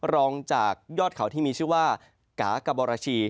รองจากยอดเขาที่มีชื่อว่ากากบรชี